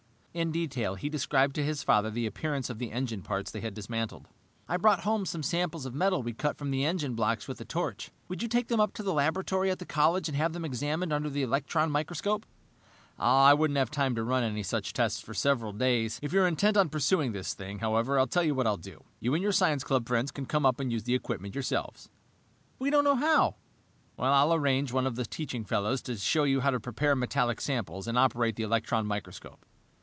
In detail, he described to his father the appearance of the engine parts they had dismantled. "I brought home some samples of metal we cut from the engine blocks with a torch. Would you take them up to the laboratory at the college and have them examined under the electron microscope?" "I wouldn't have time to run any such tests for several days. If you are intent on pursuing this thing, however, I'll tell you what I'll do. You and your science club friends can come up and use the equipment yourselves." "We don't know how!" "I'll arrange for one of the teaching fellows to show you how to prepare metallic samples and operate the electron microscope."